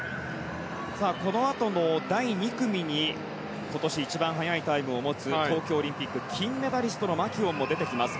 このあとの第２組に今年一番早いタイムを持つ東京オリンピック金メダリストのマキュオンも出てきます。